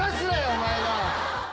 お前が！